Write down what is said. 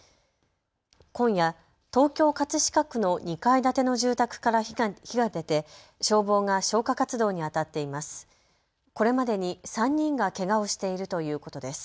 今夜、東京葛飾区の２階建ての住宅から火が出て消防が消火活動にあたっています。